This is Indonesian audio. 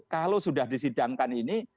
kalau sudah disidangkan ini